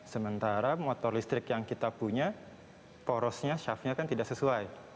sementara motor listrik yang kita punya porosnya shaftnya kan tidak sesuai